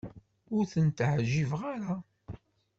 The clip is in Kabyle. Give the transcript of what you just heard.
Ur tent-ɛjibeɣ ara.